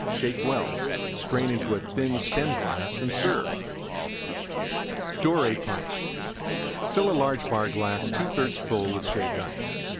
Shake well; strain into thin Stem glass and serve. DORAY PUNCH Fill large Bar glass 2/3 full Shaved Ice.